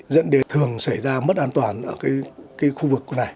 dẫn đề thường xảy ra mất an toàn ở cái khu vực này